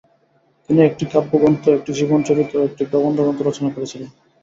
তিনি একটি কাব্যগ্রন্থ, একটি জীবনচরিত ও একটি প্রবন্ধগ্রন্থ রচনা করেছিলেন।